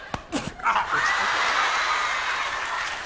あっ。